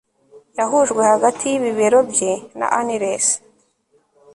yahujwe hagati yibibero bye na unlace